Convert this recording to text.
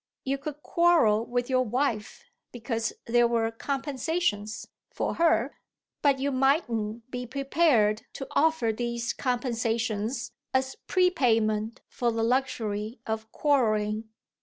You could quarrel with your wife because there were compensations for her; but you mightn't be prepared to offer these compensations as prepayment for the luxury of quarrelling.